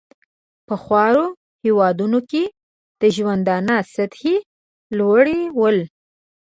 په خوارو هېوادونو کې د ژوندانه سطحې لوړول.